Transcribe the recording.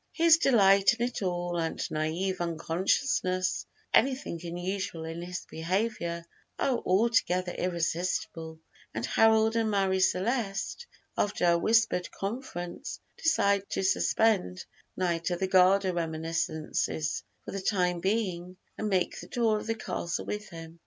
His delight in it all, and naïve unconsciousness of anything unusual in his behavior, are altogether irresistible, and Harold and Marie Celeste, after a whispered conference, decide to suspend Knight of the Garter reminiscences for the time being, and make the tour of the castle with him.